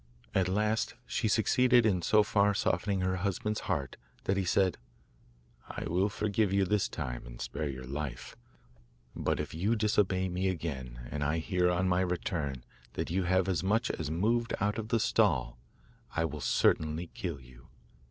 At last she succeeded in so far softening her husband's heart that he said, 'I will forgive you this time, and spare your life; but if you disobey me again, and I hear, on my return, that you have as much as moved out of the stall, I will certainly kill you.